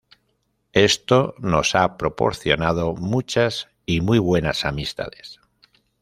Esto nos ha proporcionado muchas y muy buenas amistades.